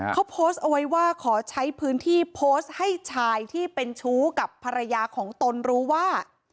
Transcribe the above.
เขาโพสต์เอาไว้ว่าขอใช้พื้นที่โพสต์ให้ชายที่เป็นชู้กับภรรยาของตนรู้ว่า